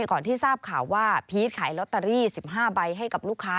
ก่อนที่ทราบข่าวว่าพีชขายลอตเตอรี่๑๕ใบให้กับลูกค้า